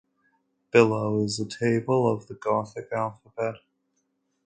Below is a table of the Gothic alphabet.